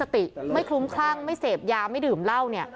ท่างไม่เสพยาไม่ดื่มเหล้า